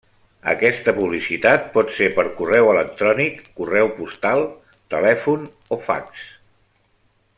Aquesta publicitat pot ser per correu electrònic, correu postal, telèfon o fax.